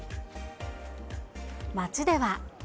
街では。